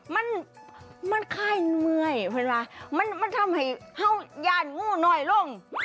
มันมันไข้เมื่อยเห็นป่ะมันมันทำให้เห่าย่านงูน้อยลง